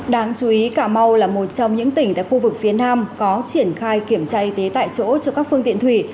đáng chú ý cà mau là một trong những tỉnh tại khu vực phía nam có triển khai kiểm tra y tế tại chỗ cho các phương tiện thủy